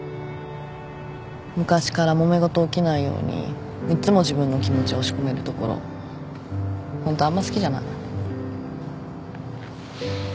昔からもめ事起きないようにいつも自分の気持ち押し込めるところホントあんま好きじゃない。